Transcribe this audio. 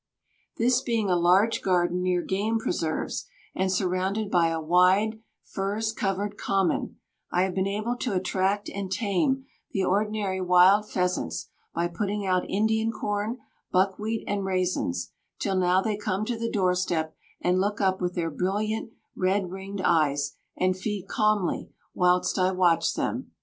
This being a large garden near game preserves, and surrounded by a wide, furze covered common, I have been able to attract and tame the ordinary wild pheasants by putting out Indian corn, buckwheat, and raisins, till now they come to the doorstep and look up with their brilliant, red ringed eyes, and feed calmly whilst I watch them.